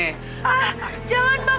ah jangan bang